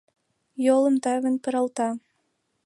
Йолым тавен пералта.